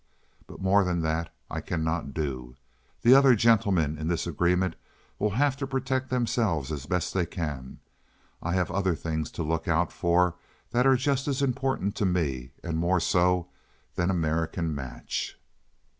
But more than that I cannot do. The other gentlemen in this agreement will have to protect themselves as best they can. I have other things to look out for that are just as important to me, and more so, than American Match."